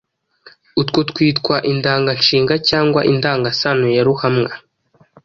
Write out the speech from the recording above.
Utwo twitwa indanganshinga cyangwa indangasano ya ruhamwa.